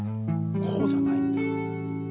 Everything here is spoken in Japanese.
こうじゃないんだ。